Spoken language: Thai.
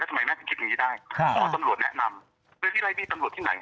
แล้วทำไมแม่คิดอย่างนี้ได้ตำรวจแนะนำพี่ไร้พี่ตำรวจที่ไหนฮะ